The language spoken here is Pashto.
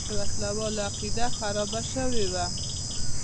د وسله والو عقیده خرابه شوې وه.